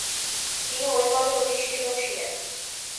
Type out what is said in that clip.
তিনি ওই পদে অধিষ্ঠিত ছিলেন।